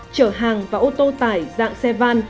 chở hàng và ô tô tải dạng xe van